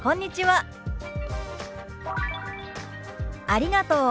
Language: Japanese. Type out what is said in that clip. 「ありがとう」。